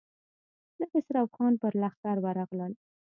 د خسرو خان پر لښکر ورغلل.